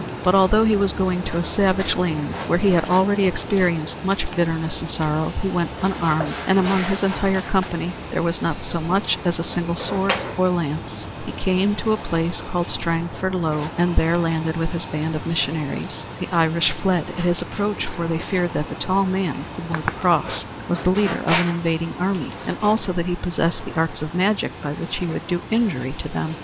But although he was going to a savage land where he had already experienced much bitterness and sorrow, he went unarmed, and among his entire company there was not so much as a single sword or lance. He came to a place called Strangford Lough and there landed with his band of missionaries. The Irish fled at his approach, for they feared that the tall man who bore the cross was the leader of an invading army, and also that he possessed the arts of magic by which he would do injury to them.